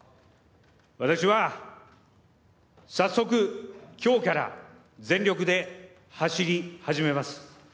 私は早速、今日から全力で走り始めます。